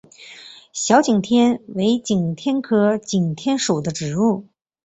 小景天为景天科景天属的植物。